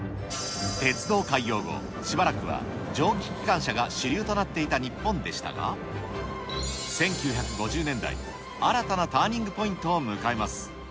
鉄道開業後、しばらくは蒸気機関車が主流となっていた日本でしたが、１９５０年代、新たなターニングポイントを迎えます。